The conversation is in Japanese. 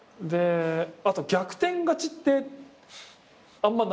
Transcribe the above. あと逆転勝ちってあんまないよね。